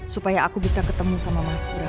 supaya aku bisa ketemu sama mas bram